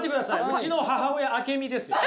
うちの母親「あけみ」ですよ。